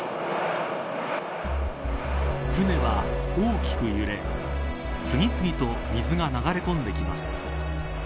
船は大きく揺れ次々と水が流れ込んできます。